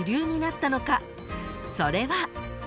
［それは］